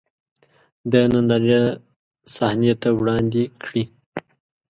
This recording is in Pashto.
د نندارې صحنې ته وړاندې کړي.